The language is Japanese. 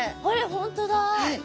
本当だ。